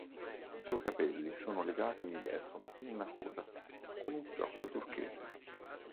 I suoi capelli sono legati indietro in una coda con un fiocco turchese.